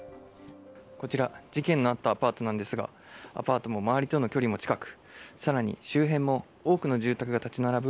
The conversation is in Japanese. こちら事件があったアパートなんですがアパートと周りとの距離も近くさらに周辺も多くの住宅が立ち並ぶ